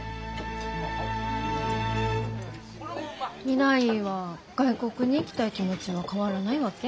未来は外国に行きたい気持ちは変わらないわけ？